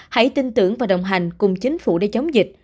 hãy tin tưởng và đồng hành cùng chính phủ để chống dịch